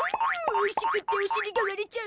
おいしくってお尻が割れちゃう！